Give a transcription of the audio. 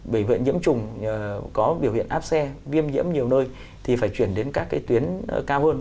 bệnh viện nhiễm trùng có biểu hiện áp xe viêm nhiễm nhiều nơi thì phải chuyển đến các cái tuyến cao hơn